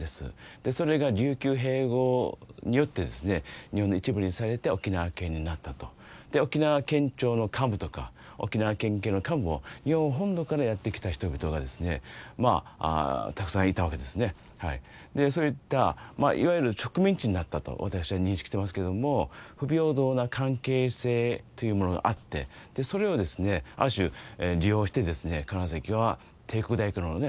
でそれが琉球併合によってですね日本の一部にされて沖縄県になったとで沖縄県庁の幹部とか沖縄県警の幹部は日本の本土からやって来た人々がですねまあたくさんいたわけですねでそういったまあいわゆる植民地になったと私は認識してますけども不平等な関係性というものがあってでそれをですねある種利用してですね金関は帝国大学のね